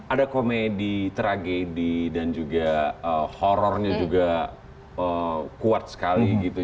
ada komedi tragedi dan juga horrornya juga kuat sekali gitu